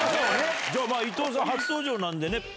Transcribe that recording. じゃあ伊藤さん初登場なんでね。